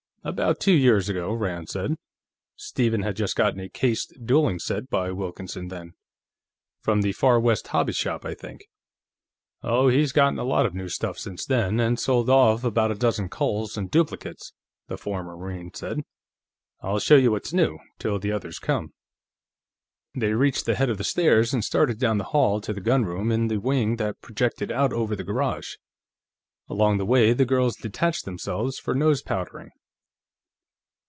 "About two years ago," Rand said. "Stephen had just gotten a cased dueling set by Wilkinson, then. From the Far West Hobby Shop, I think." "Oh, he's gotten a lot of new stuff since then, and sold off about a dozen culls and duplicates," the former Marine said. "I'll show you what's new, till the others come." They reached the head of the stairs and started down the hall to the gunroom, in the wing that projected out over the garage. Along the way, the girls detached themselves for nose powdering.